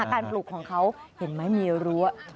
การปลูกของเขาเห็นมั้ยมีลัว